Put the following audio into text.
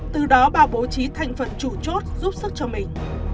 từ đó bà bố trí thành phần chủ chốt giúp sức cho mình